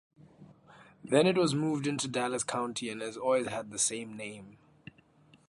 Then it was moved into Dallas County and has always had the same name.